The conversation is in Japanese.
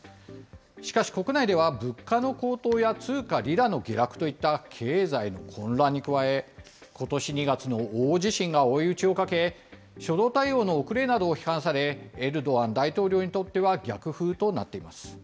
しかし、国内では物価の高騰や通貨リラの下落といった経済の混乱に加え、ことし２月の大地震が追い打ちをかけ、初動対応の遅れなどを批判され、エルドアン大統領にとっては逆風となっています。